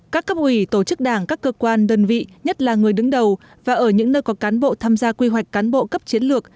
các cấp ủy tổ chức đảng các cơ quan đơn vị nhất là người đứng đầu và ở những nơi có cán bộ tham gia quy hoạch cán bộ cấp chiến lược